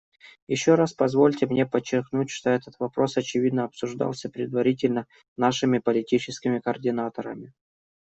Еще раз позвольте мне подчеркнуть, что этот вопрос, очевидно, обсуждался предварительно нашими политическими координаторами.